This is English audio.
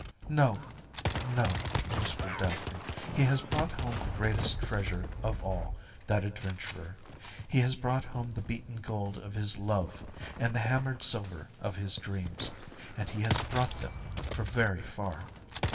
"No, no," whispered Daphne. "He has brought home the greatest treasure of all, that adventurer. He has brought home the beaten gold of his love, and the hammered silver of his dreams and he has brought them from very far."